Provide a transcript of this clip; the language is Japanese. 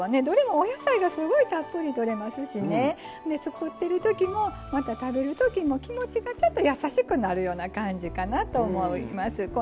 どれもお野菜がすごいたっぷりとれますしね作ってる時もまた食べる時も気持ちがちょっと優しくなるような感じかなと思います。